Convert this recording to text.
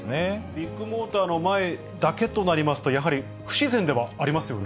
ビッグモーターの前だけとなりますと、やはり、不自然ではありますよね。